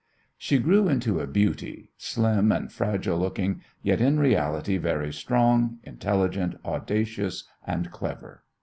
She grew into a beauty, slim and fragile looking, yet in reality very strong, intelligent, audacious and clever.